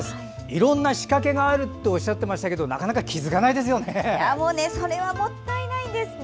いろんな仕掛けがあるとおっしゃってましたけどなかなか気付かないですよね。